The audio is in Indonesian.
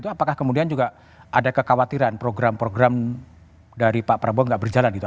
apakah kemudian juga ada kekhawatiran program program dari pak prabowo tidak berjalan gitu